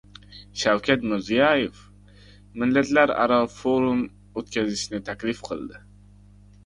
Shavkat Mirziyoev millatlararo forum o‘tkazishni taklif qildi